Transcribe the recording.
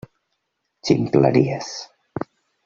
Ximpleries.